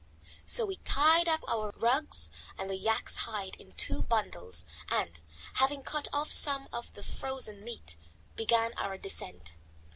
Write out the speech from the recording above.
So we tied up our rugs and the yak's hide in two bundles and, having cut off some more of the frozen meat, began our descent.